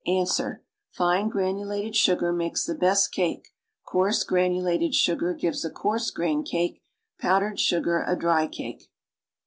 Ans. Fine granulate<l sugar makes the best cake; coarse granu lated sugar gives a coar.se grained cake; powdered sugar a dry cake.